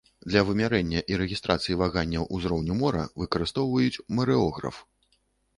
Для вымярэння і рэгістрацыі ваганняў узроўню мора выкарыстоўваюць марэограф.